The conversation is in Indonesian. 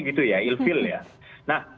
gitu ya ill feel ya nah